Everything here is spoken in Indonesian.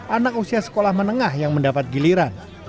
anak usia sekolah menengah yang mendapat giliran